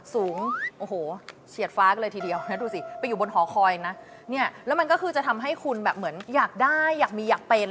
สูงเฉียดฟ้ากเลยทีเดียวไปอยู่บนหอคอยน์และมันก็คือจะทำให้คุณเหมือนอยากได้อยากมีอยากเป็น